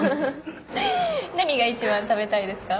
何が一番食べたいですか？